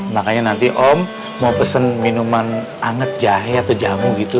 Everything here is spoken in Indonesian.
makanya nanti om mau pesen minuman anget jahe atau jamu gitu